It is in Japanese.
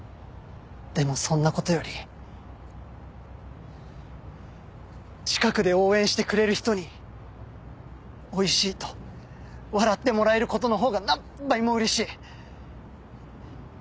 でもそんな事より近くで応援してくれる人においしいと笑ってもらえる事のほうが何倍も嬉しい。